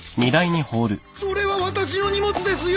それは私の荷物ですよ！